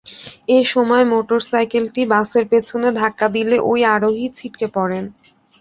এ সময় মোটরসাইকেলটি বাসের পেছনে ধাক্কা দিলে ওই আরোহী ছিটকে পড়েন।